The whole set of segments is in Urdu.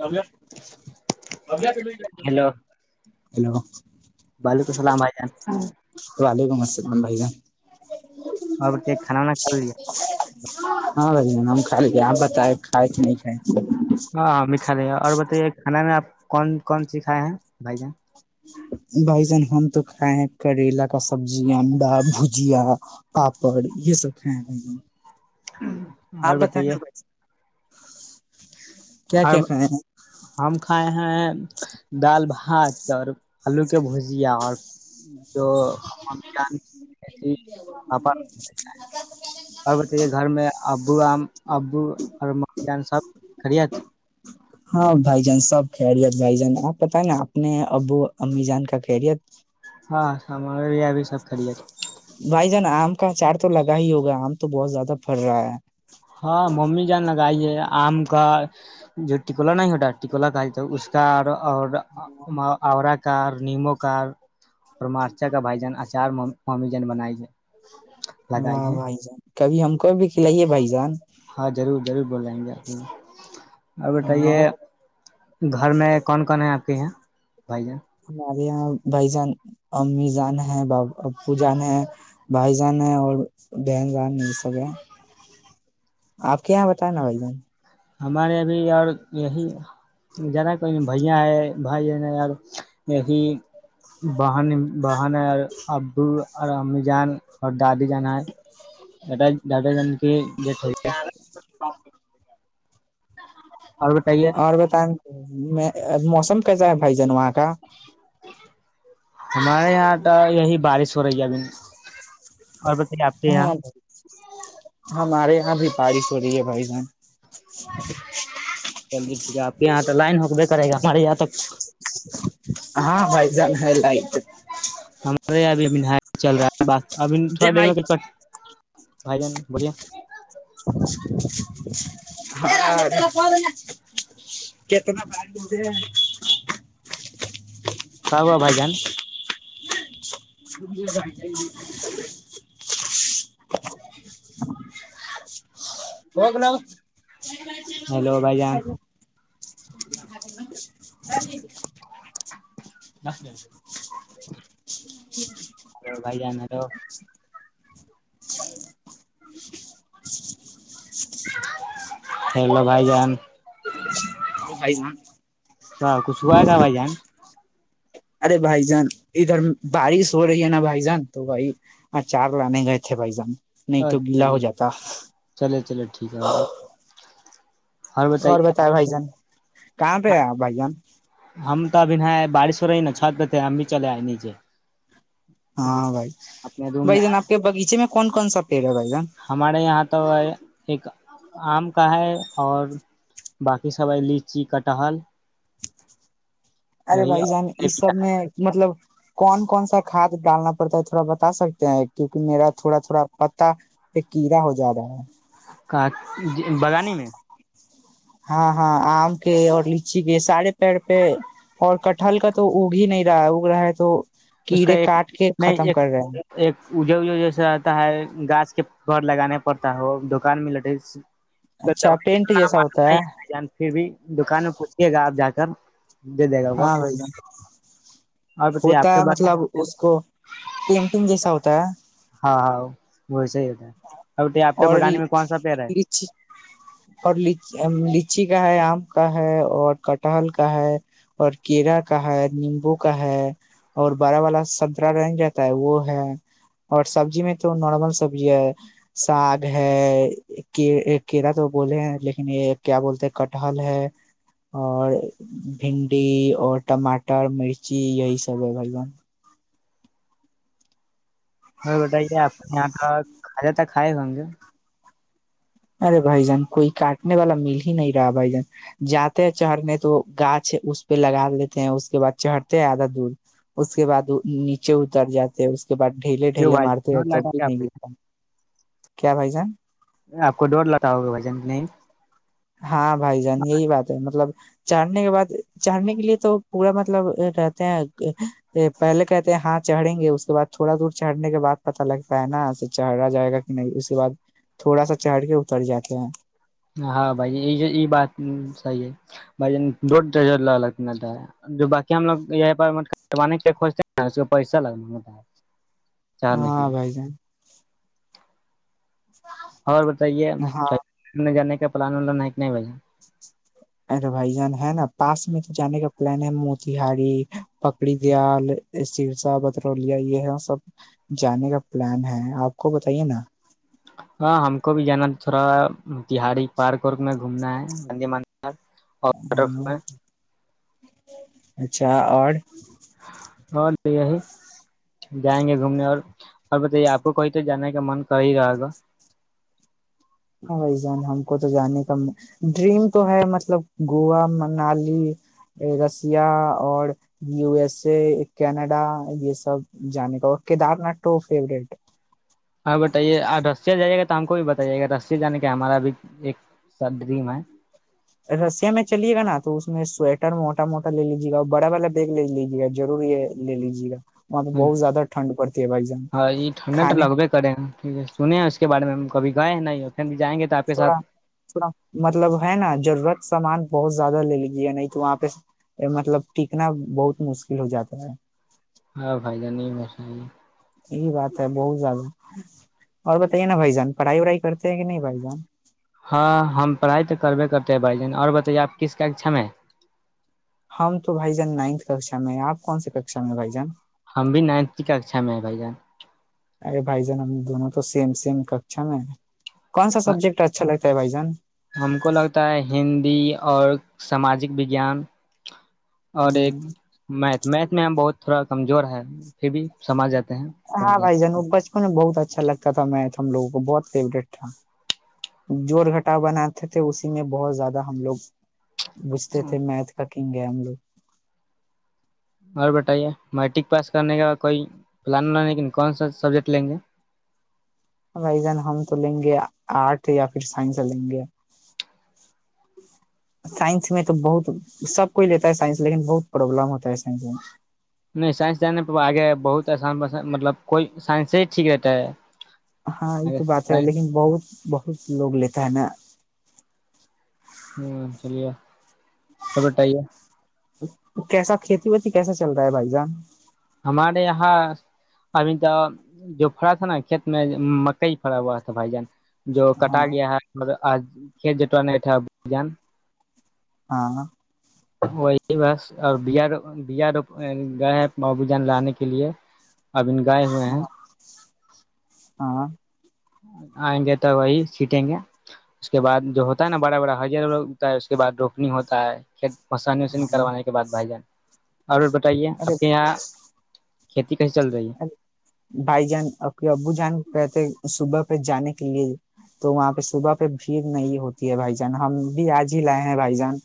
ہیلو ہیلو وعلیکم السلام بھائی جان وعلیکم السلام ک بھ گا اور بتائیے کھانا وانا کھا لیا [inaudible] ہاں بھائی جان ہم خالیے آپ بتائے کھائے کہ نہیں کھائے ہاں ہم بھی کھالیے اور بتایہ کھانا آپ کون کون سیکھائے ہیں بھائی جان بھائی جان ہم تو کھائے ہیں کریلا کا سبزی انڈا بھجیا پاپڑ یہ سب کھائے ہیں بھائی جان آپ اور بتائیں بتائیے نا بھائی [inaudible] کیا ہم کیا کھائے ہیں ہم کھائے ہیں دال بھاہ ہاں آلو کے بوجیا اور جو ہم جانپس [inaudible] اور بتایے گھر میں ا بوا ابو اور ممی جان سب خریت ہاں بھائی جان سب خیریت بھائی جان آپ بتیں نا اپنے ابو امی جان کا خیریت ہاں ہمارے یہاں بھی سب خیریت بھائی جان آم کا ا چار تو لگا ہی ہوگا آم تو بہت زیادہ پڑ رہا ہے ہاں ممی جان لگائی ہے آم کا جو ٹکولا نہیں ہوتا ٹکولا کا تو اس کا اور آا [inaudible] کا نیمو کا اورمارچا کا بھجان اچار ماممی جان بنائی لگائی واہ ہے وائی جان کبھی ہم کوئی بھی کلائیے بھ جان ہاں ضرور ضرور بول جائیں گے آ اور ہاں بتائیے اور گھر میں کون کون ہیں آپ کے یہاں بھائی جان ہمارے یہاں بھائی جان امی جان ہے پپو جان ہے بھائی جان ہے اور بہن جان یہ سب ہے آپ کے یہاں بتائے نا بھائی جان ہمارے یہبھی اور یہی ج نا کوئی بھیا ہے بھائی یہی ب بہن اببو اور امی جان اور دادی جان ہےا دادا جان کی ڈیٹ ہو اور بتائیے اورر ب تن میں موسم کیسا ہے بھائی جان وہاں کا ہمارے یہاں تو یہی بارش ہو رہی ہے ابھی اور بتے آپ کے یہاں ہاں [unintelligible] ہمارے یہاں بھی بارش ہو رہی ہے بھائی جان [unintelligible] چلیے ٹھیک ہے آپ یہاں لائن ہوک دیک [unintelligible] کرے گا ہمارے یہاں تک [unintelligible] ہاں بھائی جان ہے لائٹ [unintelligible] ہمارے یہاںبھی اب نہ چل رہا ہے بات ابھی تھوڑا دیر میں کرکٹ بھائی جان بولیا [unintelligible] ہاں کتنا بھائیے [unintelligible] ک ہوا بھائی جان [unintelligible] ج [inaudible] ہوگناا [unintelligible] ہیلو بھائی جان ب [unintelligible] [inaudible] بند [unintelligible] نس [unintelligible] ج [unintelligible] بھ ج نلو [unintelligible] ہیلو بھائی جان [unintelligible] کیا کش ہو ہے گ بھائی جان [unintelligible] ارے بھائی جان ادھر بارش ہو رہی ہے نا بھائی جان تو بھائی اچار لانے گئے تھے بھائی جان نہیں تو اچ گیلا ہو چلی جاتا چلیے چلیے ٹھیک ہے ہاں [unintelligible] اور بتائے بھائی جان کہاں پہ آ آپ بھائی جان ہم تو ابھی ن بارش ہو رہی نا چھت پہ تھے ہم بھی چلے آئے نیچے [unintelligible] ہاں بھائی اپنے روم بھ میں جان آپ کے باغیچے میں کون کون سا پیڑ ہے بھ جان ہمارے یہاں تو ایک آم کا ہے اور باقی سب ہے لیچی کا ٹہل ارے بھائی جان اس سب میں مطلب کون کون سا کھاد ڈالنا پڑتا ہے تھوڑا بتا سکتے ہیں کیونکہ میرا تھوڑا تھوڑا پتاہ پ کیڑا ہو جات رہا ہے کا بگانی میں ہاں ہاں آم کے اور لچی کے سارے پڑ پہ اور ک ہھلکا تو اگ ہی نہیں رہا اگ رہا ہے تو اس کیڑے کاٹ کے ختم کر رہے ہیں اےج جیسا رہتا ہے گاس کے پ لگانے پڑتا ہے ہو دکان میں لٹے اس دو اچھا پینٹ جیسا ہوتا ہے پھر بھی دکان میں پوچیے گا آپ جا کے گ ہاں بھ ج اور بتائیے ہوتا آپ کے ہے بغ مطلب اس کو مٹنگ جیسا ہوتا ہے ہاں ہاں وہ صحی ہوتا ہے بتائیے آپ کے اور بغانے میں کون سا پیڑ ہے لچی اور لچی ہے آم کا ہے اور کٹہل کا ہے اور کیرا کا ہے نیمبو کا ہے اور بارا والا سنترا رن جاتا ہے وہ ہے اور سبزی میں تو نارمل سبزی ہے ساگ ہے کیرلاا تو بولے لیکن یہ کیا بولتے کٹہحل ہے اور بھنڈی اور ٹماٹر مرچی یہی سب ہے بھائی بان وہ بیٹ اپ یہاں تو کھا جات تھا کھائے ہوں گے ارے بھائی جان کوئی کاٹنے والا مل ہی نہیں رہا بھائی جن جاتے ہیں چڑھنے تو گاچ اس پہ لگا لیتے ہیں اس کے بعد چڑھتے ہیں آدا دور اس کے بعد نیچے اتر جاتے اس کے بعد ڈھیلے کیوں ڈھیلے بھائی مارتے رہئے ڈور توب بھی لگا نہیں گرتا کیا بھائی جان آپ کو ڈور لاؤ ہوگا بھجن نہیں ہاں بھائی جان یہی بات ہے مطلب چڑھنے کے بعد چڑھنے کے لیے تو پورا مطلب رہتے ہیں پہلے کہتے ہیں ہاں چڑھیں گے اس کے بعد تھوڑا دور چڑھنے کے بعد پت لگتا ہے نا چڑھا جائے گا کہ نہیں اس کے بع تھوڑا سا چڑھ کے اتر جاتے ہیں ہاں بھائی ج یہ بات صحی ہے بھ جو باقی ہم لوگ یہان کے لیےجتے ہیں نا اس پیسہ لگتا ہاں بائی جان اور ہاں بتائیےنے جانے کے پلان ل نہیں بے ارے بھائی جان ہے نا پاس میں تو جانے کا پلان ہے موتیہاری پکڑی دیال سرسا بترولیا یہ سب جانے کا پلان ہے آپ کو بتائیے نا ہاں ہم کو بھی جانا تھوڑا تہڑی پارک وارک میں گھومنا ہے گند م ہمو اچھا اور اور یہی جائیں گے گھومنے اور اور بتائیے آپ کو کہیں تو جانے کا من کر ہی رہے گا ہاں بھائی جان ہم کو تو جانے کا ڈریم تو ہے مطلب گووا منالی رسیا اور یو ایس اے کینیڈا یہ سب جانے کا اور کیدار ناتھ و فیوریٹ ہاں بتائیے آپ رسیا جائیے گا تو ہم کو بھی بتائیے گا رسیا جانے کا ہمارا بھی ایک س ڈریم ہے رسیا میں چلیے گا نا تو اس میں سویٹر موٹا موٹا لے لیجیے گا اور بڑا والا بیگ لے لیجیے گا ضروری ہے لے لیجیے گا وہاں پہ ہاں بہت زیادہ ٹھنڈ پڑتی ہے بھائی جان ہاں یہ ٹھنڈا تو کھانے لگبے کرےیں ہیں ٹھیک ہے سنے ہیں اس کے بارے میں کبھی گائے ہیں ن ان بھی جائیں گے تو آپ کے تھوڑا ساتھ تھوڑا مطلب ہے نا ضرورت سامان بہت زیادہ لے لیجیے نہیں تو وہاں پہ مطلب ٹکنا بہت مشکل ہو جاتا ہے ہاں فائ جہ نہیں بسا یہی بات ہے بہت زیادہ اور بتائیے نا بھائی جان پڑھائی وڑھائی کرتے ہیں کہ نہیں بھائی جان ہاں ہم پڑھائی تو کربے کرتے ہیں بھائی ج اور بتائیے آپ کس کا چم ہے ہم تو بھائی جان نائنتھ ککا میں آپ کون سے ککشا میں بھائی جان ہم بھی نائنتھ کی ککھا میں ہے بھائی جان ارے بھائی جان ہم دونوں تو سیم سیم ککھا میں کون سا سبجیکٹ اچھا لگتا ہے بھائی جان ہم کو لگتا ہے ہندی اور ساماجک وجیان اور ایک جان میتھ میتھ میں ہم بہت تھوڑا کمزور ہے پھر بھی سمج ج ہاں بھائی جان بچپن میں بہت اچھا لگتا تھا میں ہم لوگوں کو بہت فیوریٹ تھا جوڑ گھٹا بناتے تھے اسی میں بہت زیادہ ہم لوگ بوجھتے تھے میتھ کا کہن گ ہم لوگ اور بتائیے میٹرک پاس کرنے کا کوئی پلان لیکن کون سا سبجیکٹ لیں گے بن ہم تو لیں گے آرٹ یا پھر سائنس لیں گے سائنس میں تو بہت سب کوئی لیتا ہے سائس لیکن بہت پربلم ہوتا ہے سائ میں نہیں سائنس جان نہیں پا آگے بہت آسان مطلب کوئی سائنس سے ہی ٹھیک رہتا ہے ہاں یہ آگے تو بات ہے سائنس لیکن بہت بہت لوگ لیتا ہے نا ہوں چلیے چٹے کیسا کھیتی بی کیسا چل رہا ہے بھائی جان ہمارے یہاں ابھی تو جو پڑا تھا نا کھیت میں مکئی پڑا ہوا تھا بھائی جان جو کٹا ہاں گیا ہے م آج ک جٹ نے اٹا جان ہاں وہی بس اور ب بیا ر گ بابی جان لانے کے لیے ابین گائے ہوئے ہیں ہاں آئیں گے تو وہی سیٹیں گے اس کے بعد جو ہوتا ہے نا بڑا بڑا ہرتا ہے اس کے بعد روکنی ہوتا ہے پھر پسانی وانی ہاں کروانے کے بد بھائی جان اور بتائیے آپ کے ارے یہاں کھیتی کیسی چل رہی ہے بھائی جان ا ابو جان کیاتے صبح پہ جانے کے لیے تو وہاں پہ صبح پہ بھیڑ نہیں ہوتی ہے بھائی جان ہم بھی آج ہی لائے ہیں بھائی جان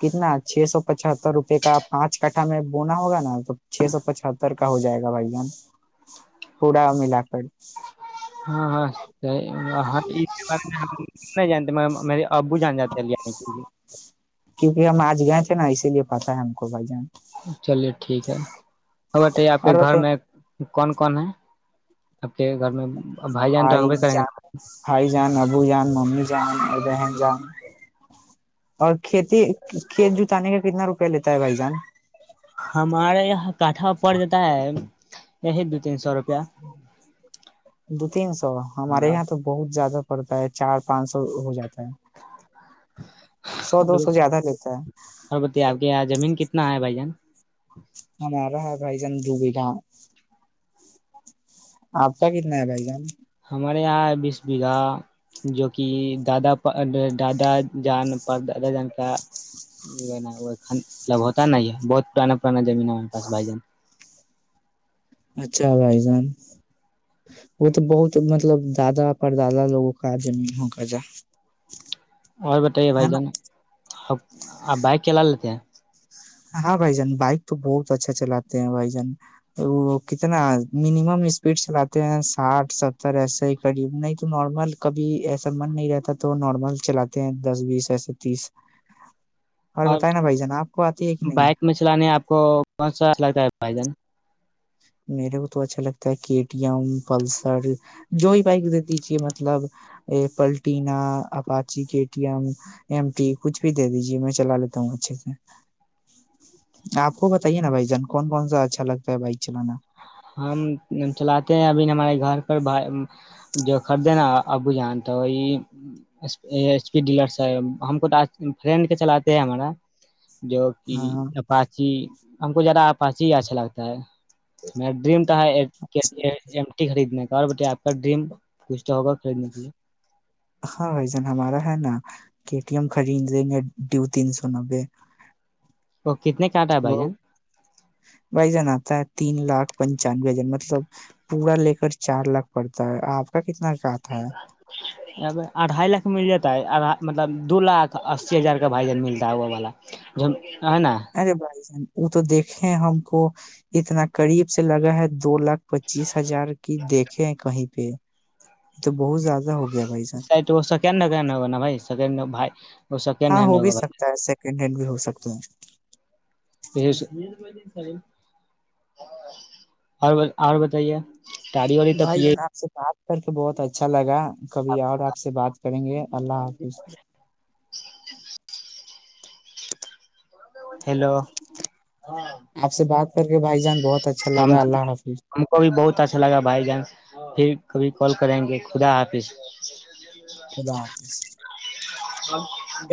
کتنا چھ سو پچہتر روپے کا پانچ کٹھا میں بونا ہوگا نا تو چھ سو پچتر کا ہو جائے گا بھائی جان پڑا ملا کرڑ ہاں ہاں ہاں میںیری ابو جان جاتے ہیں ہر آنے کے لیے چ نا اسی لیے پتا ہے ہم کو بائی جان چلیے ٹھیک ہے ا بتائی آپ کے اور گھر بتائیں میں کون کون ہے آپ کے گھر میں بھائی جان تو ہائی ہوبے کریں گے جان نا ہھائی جان ابو جان م ج اور بن جان اور کھیتی کھیت جوتانے کا کتنا روپیہ لیتا ہے بھائی جان ہمارا یہاں کاٹھا پڑ جاتا ہے یہی دو تین سو روپیہ دو تین سو ہمارے ہاں یہاں تو بہت زیادہ پڑتا ہے چار پانچ سو ہو جاتا سو دو سو زیادہ لیتا ہے نہ ہے بھ جان ہ رہ ہ بھائی جان ڈب گا آپ کا کتنا ہے بھائی جان ہمارے یہاں جو کہ دادا دادا جان پر دادا جان کاطلب ہوتا ن بہت پرانا پرانا زمین ہمارے پاس بھائی جان اچھا بھائی جان وہ تو بہت مطلب دادا پر دادا لوگوں کا زمین ہو کر جا اور بتائے ہے بھائی جان نا آپ بائک چلا لیتے ہیں ہاں بھائی جان بائک تو بہت اچھا چلاتے ہیں بھائی جان وہ کتنا منیمم اسپیڈ چلاتے ہیں ساٹھ ستر ایسے ہی قریب نہیں تو نارمل کبھی ایسا من نہیں رہتا تو نارمل چلاتے ہیں دس بیس ایسے تیس اور بتائے نا بھائی جان آپ کو ہے کہ نہیں بائک میں چلانے آپ کو کون سا لگتا ہے بائی جان میرے کو تو اچھا لگتا کے ٹی ایم پلسر جو ہی بائک دے دیجے مطلب Platina Apache K T M M T کچھ بھی دے دیجیے میں چلا لیتا ہوں اچھے سے آپ کو بتائیے نا بھائی جان کون کون سا اچھا لگتا ہے بائک چلنا ہم چلاتے ہیں ابھی ہمارے گھر پر جو خریدے نا ابو جان تو وہی اسپیڈ ڈیلر سے ہم کو فرینڈ کے چلاتے ہیں ہمارا جو کہ ہاں اپاچی ہم کو زیادہ آ پاچی اچھا لگتا ہے میں ڈریم [unintelligible] اور بتائے آپ کا ڈریم کچھ تو ہوگا خریدنے کے لیے ہاں بھائی جان ہمارا ہے نا کے ٹی ایم خرید لیں گے دو تین سو نبے تو کتنے کا آتا ہے بھائی جان بھائی جان آتا ہے تین لاکھ پنچانوے ہزار مطلب پورا لے کر چار لاکھ پڑتا ہے آپ کا کتنا کا آتا ہے اٹھائے لاکھ مل جاتا مطلب دو لاکھ اسی ہزار کا بھائی جان ملتا ہے ہو والا جو ہے نا ارے بھائی جان وہ تو دیکھے ہم کو اتنا قریب سے لگا ہے دو لاکھ پچیس ہزار کی دیکھیں کہیں پے یہ تو بہت زیادہ ہو گیا بھائی جان [unintelligible] [unintelligible] ہاں ہینڈ ہو بھی ہوگا سکتا ہے سیکنڈ ہینڈ بھی ہو سکتا [unintelligible] [unintelligible] ا [inaudible] اور اور بتائے گاڑی واڈی بھائی جان آپ سے بات کر کے بہت اچھا لگا کبھی اور آپ سے بات کریں گے اللہ حافظ ہیلو آپ سے بات کر کے بائی جان بہت اچھا ہم لگا اللہ حافظ ہم کو بھی بہت اچھا لگا بھائی جان پھر کبھی کال کریں گے خدا حافظ خدا حافظ ا گ